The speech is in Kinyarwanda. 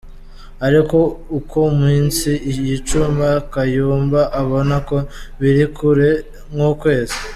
ariko uko iminsi yicuma Kayumba abona ko biri kure nk’ukwezi .